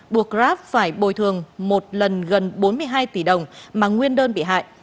buộc grab phải bồi thường một lần gần bốn mươi hai tỷ đồng mà nguyên đơn bị hại